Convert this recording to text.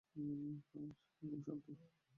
হ্যাঁ, সে খুব শান্ত।